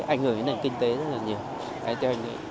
ảnh hưởng đến nền kinh tế rất là nhiều